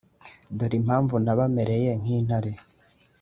dore impamvu nabamereye nk’intare,